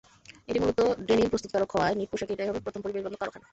এটি মূলত ডেনিম প্রস্তুতকারক হওয়ায় নিট পোশাকে এটাই হবে প্রথম পরিবেশবান্ধব কারখানা।